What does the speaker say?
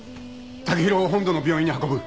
剛洋を本土の病院に運ぶ。